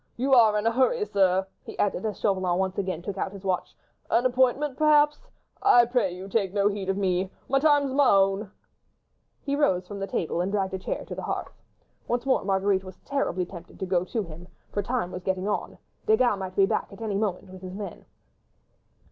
You are in a hurry, sir," he added, as Chauvelin once again took out his watch; "an appointment, perhaps. ... I pray you take no heed of me. ... My time's my own." He rose from the table and dragged a chair to the hearth. Once more Marguerite was terribly tempted to go to him, for time was getting on; Desgas might be back at any moment with his men.